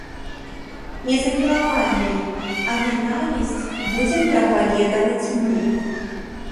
Не замілаванне, а нянавісць будзем прапаведаваць мы.